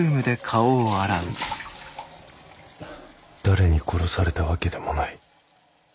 誰に殺されたわけでもない。